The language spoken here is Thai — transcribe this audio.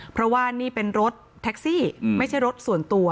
เพราะว่านี่เป็นรถแท็กซี่ไม่ใช่รถส่วนตัว